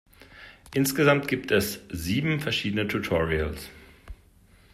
Insgesamt gibt es sieben verschiedene Tutorials.